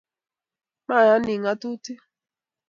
Mayanik ngatutik